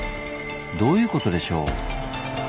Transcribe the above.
どういうことでしょう？